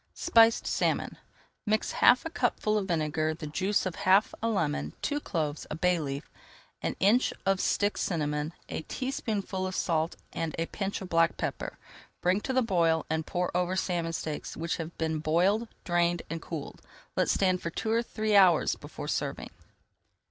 SPICED SALMON Mix half a cupful of vinegar, the juice of half a lemon, two cloves, a bay leaf, an inch of stick cinnamon, a teaspoonful of salt and a pinch of black pepper. Bring to the boil and pour over salmon steaks which have been boiled, drained, and cooled. Let stand for [Page 291] two or three hours before serving.